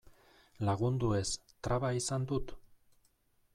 Lagundu ez, traba izan dut?